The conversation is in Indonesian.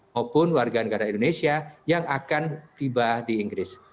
maupun warga negara indonesia yang akan tiba di inggris